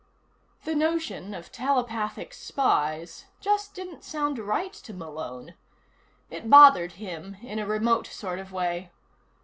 The notion of telepathic spies just didn't sound right to Malone. It bothered him in a remote sort of way.